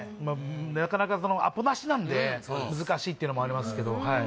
なかなかアポなしなんで難しいっていうのもありますけどはい